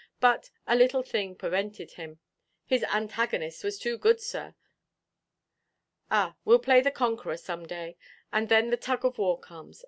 But—a little thing perwented him—his antagonist was too good, sir. Ah, weʼll play the conqueror some day; and then the tug of war comes.